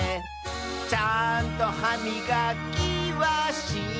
「ちゃんとはみがきはしたかな」